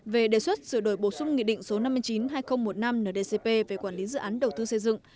về đề xuất sửa đổi bổ sung nghị định số năm mươi chín hai nghìn một mươi năm ndcp về quản lý dự án đầu tư xây dựng